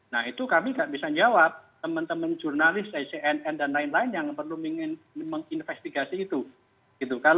nah itu kami tidak bisa menjawab teman teman jurnalis ecn dan lain lain yang perlu menginvestigasi itu